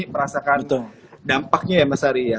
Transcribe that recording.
merasakan dampaknya ya mas ari ya